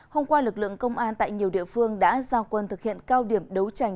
hôm qua lực lượng công an tại nhiều địa phương đã giao quân thực hiện cao điểm đấu tranh